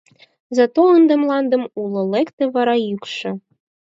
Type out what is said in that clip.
— Зато ынде мландем уло, — лекте вара йӱкшӧ.